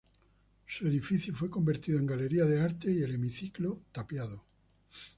Su edificio fue convertido en galería de arte y el hemiciclo, tapiado.